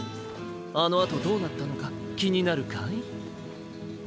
あのあとどうなったのかきになるかい？